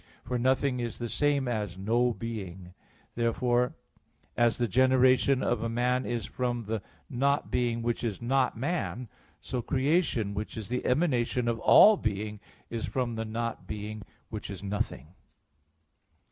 For nothing is the same as no being. Therefore as the generation of a man is from the "not being" which is "not man," so creation, which is the emanation of all being, is from the "not being" which is "nothing."